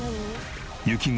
雪国